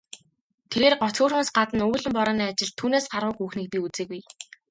Тэрээр гоц хөөрхнөөс гадна үүлэн борооны ажилд түүнээс гаргуу хүүхнийг би үзээгүй.